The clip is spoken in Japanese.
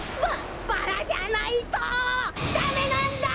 ババラじゃないとダメなんだ！